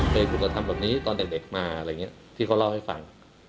เคยถูกกระทำแบบนี้ตอนเด็กมาอะไรอย่างนี้ที่เขาเล่าให้ฟัง